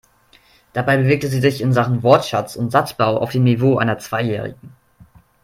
Dabei bewegte sie sich in Sachen Wortschatz und Satzbau auf dem Niveau einer Zweijährigen.